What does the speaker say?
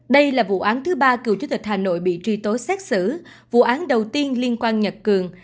đây là vụ án thứ ba cựu chủ tịch hà nội bị truy tố xét xử vụ án đầu tiên liên quan nhật cường